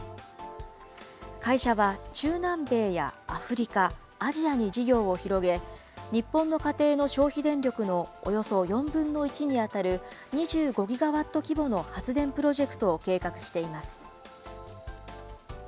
会社は中南米やアフリカ、アジアに事業を広げ、日本の家庭の消費電力のおよそ４分の１に当たる２５ギガワット規模の発電プロジェクトを計画しています。